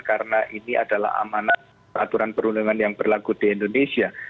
karena ini adalah amanat peraturan perundungan yang berlaku di indonesia